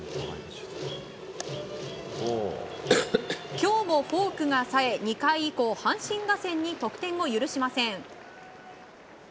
今日もフォークがさえ、２回以降阪神打線に得点を許しません。